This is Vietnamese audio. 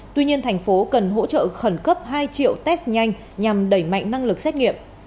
tuy nhiên thành phố cần hỗ trợ khẩn cấp hai triệu test nhanh nhằm đẩy mạnh năng lực xét nghiệm